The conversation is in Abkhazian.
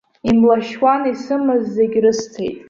Имлашьуан, исымаз зегьы рысҭеит.